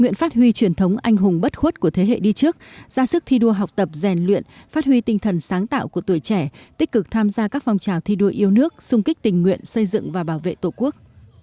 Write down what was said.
những anh hùng bất khuất của thế hệ đi trước ra sức thi đua học tập rèn luyện phát huy tinh thần sáng tạo của tuổi trẻ tích cực tham gia các phong trào thi đua yêu nước sung kích tình nguyện xây dựng và bảo vệ tổ quốc